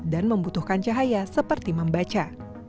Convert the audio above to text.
dan membutuhkan cahaya seperti membaca